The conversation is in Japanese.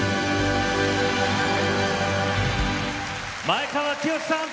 前川清さん